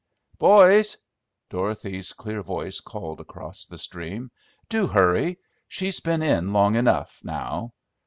"Boys!" Dorothy's clear voice called across the stream. "Do hurry! She's been in long enough, now!